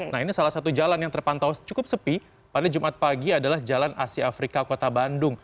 nah ini salah satu jalan yang terpantau cukup sepi pada jumat pagi adalah jalan asia afrika kota bandung